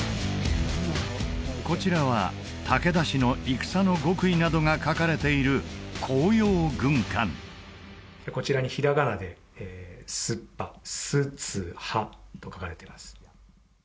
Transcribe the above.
こちらは武田氏の戦の極意などが書かれているこちらに平仮名ですっぱ「すつは」と書かれています